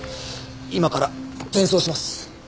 今から転送します。